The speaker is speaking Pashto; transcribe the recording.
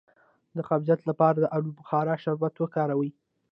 د قبضیت لپاره د الو بخارا شربت وکاروئ